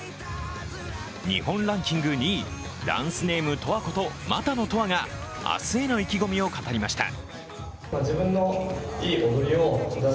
日本ランキング２位、ダンスネーム、ＴＯＡこと俣野斗亜が明日への意気込みを語りました。